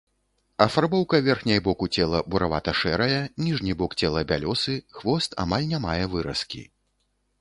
Афарбоўка верхняй боку цела буравата-шэрая, ніжні бок цела бялёсы, хвост амаль не мае выразкі.